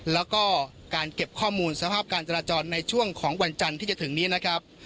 แล้วก็การเก็บข้อมูลสภาพการจราจรในช่วงของวันจันทร์ที่จะถึงนี้นะครับ